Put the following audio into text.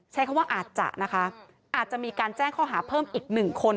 ใช้คำว่าอาจจะนะคะอาจจะมีการแจ้งข้อหาเพิ่มอีกหนึ่งคน